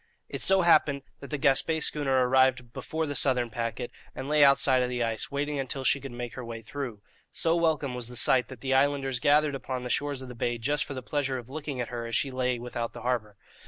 It so happened that the Gaspé schooner arrived before the southern packet, and lay outside of the ice, waiting until she could make her way through. So welcome was the sight that the islanders gathered upon the shores of the bay just for the pleasure of looking at her as she lay without the harbour.